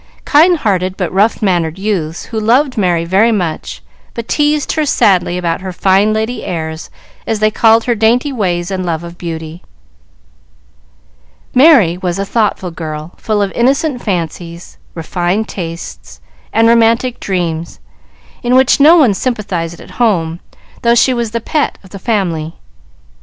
Kind hearted but rough mannered youths, who loved Merry very much, but teased her sadly about her "fine lady airs," as they called her dainty ways and love of beauty. Merry was a thoughtful girl, full of innocent fancies, refined tastes, and romantic dreams, in which no one sympathized at home, though she was the pet of the family.